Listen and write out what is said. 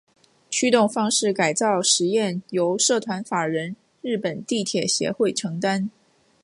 驱动方式改造试验由社团法人日本地铁协会承担。